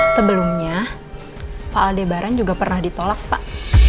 sebelumnya pak aldebaran juga pernah ditolak pak